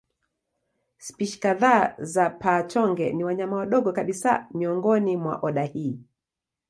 Spishi kadhaa za paa-chonge ni wanyama wadogo kabisa miongoni mwa oda hii.